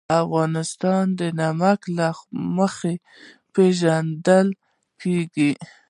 افغانستان د نمک له مخې پېژندل کېږي.